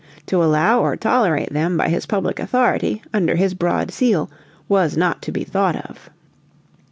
To allow or tolerate them by his public authority, under his broad seal, was not to be thought of.